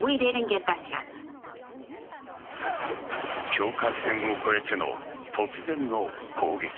境界線を越えての突然の攻撃。